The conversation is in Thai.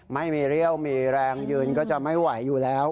ไม่มีเรี่ยวมีแรงยืนก็จะไม่ไหวอยู่แล้ว